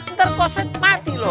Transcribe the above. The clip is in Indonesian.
ntar kau set mati loh